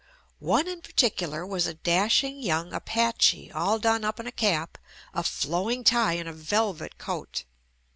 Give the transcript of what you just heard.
One in particular was a dashing young Apache all done up in a cap, a flowing tie and a velvet coat.